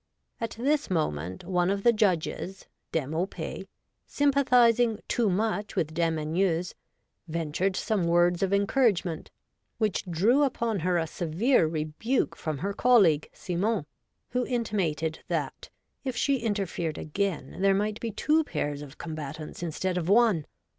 At this moment one of the judges, Dame Aupais, sympathising too much with Dame Anieuse, ventured some words of encourage ment, which drew upon her a severe rebuke from her colleague, Symon, who intimated that if she interfered again there might be two pairs of com batants instead of one.